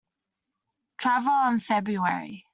Tarver in February.